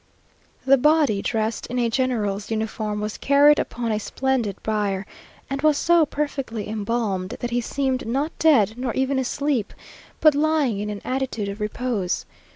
The body, dressed in a general's uniform, was carried upon a splendid bier, and was so perfectly embalmed, that he seemed not dead, nor even asleep, but lying in an attitude of repose.